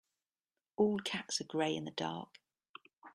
All cats are grey in the dark.